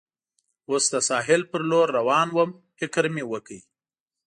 اوس د ساحل پر لور روان ووم، فکر مې وکړ.